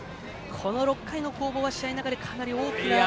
この６回の攻防は試合の中でかなり大きな。